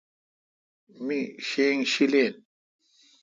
می شینگ شیلین۔